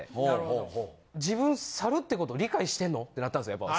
自分サルってこと理解してんの？ってなったんすよ